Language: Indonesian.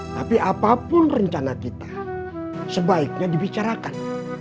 tapi apapun rencana kita sebaiknya dibicarakan